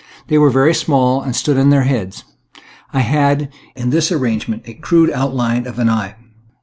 They were very small and stood on their heads. I had, in this arrangement, a crude outline of an eye.